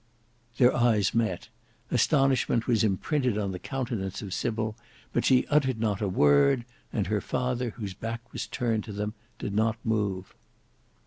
Their eyes met: astonishment was imprinted on the countenance of Sybil, but she uttered not a word; and her father, whose back was turned to them, did not move.